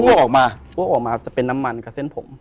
อุ่ามาจะเป็นน้ำมันกับเส้นผม